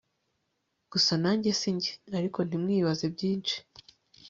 gusa nanjye sinjye ariko ntimwibaze byinshi